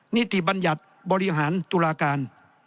นิติบัญญัติบริหารตุลาการ